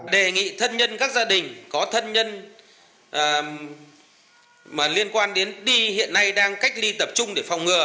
đề nghị thân nhân các gia đình có thân nhân liên quan đến đi hiện nay đang cách ly tập trung để phòng ngừa